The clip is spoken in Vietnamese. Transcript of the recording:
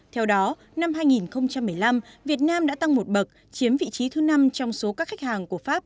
theo đó năm hai nghìn một mươi năm việt nam đã tăng một bậc chiếm vị trí thứ năm trong số các khách hàng của pháp